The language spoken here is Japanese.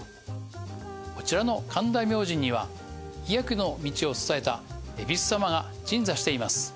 こちらの神田明神には医薬の道を伝えたえびす様が鎮座しています。